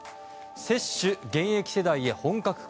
接種、現役世代へ本格化。